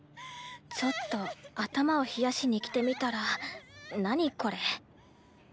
ちょっと頭を冷やしに来てみたら何これ？